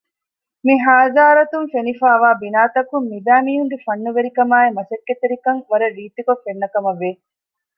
މި ޙާޟާރަތުން ފެނިފައިވާ ބިނާތަކުން މި ބައި މީހުންގެ ފަންނުވެރިކަމާއ މަސައްކަތްތެރިކަން ވަރަށް ރީތިކޮށް ފެންނަކަމަށްވެ